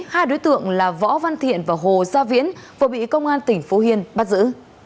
hai đối tượng là võ văn thiện và hồ gia viễn vừa bị công an tỉnh phú yên bắt giữ